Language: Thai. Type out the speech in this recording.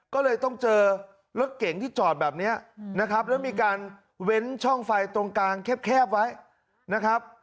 ก็เลยต้องเจอรถเก๋งที่จอดแบบนี้นะครับแล้วมีการเว้นช่องไฟตรงกลางแคบไว้นะครับ